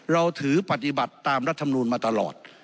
เราถือปฏิบัติตามรัฐมนูลมาตลอด